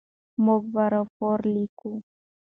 موږ به راپور لیکو.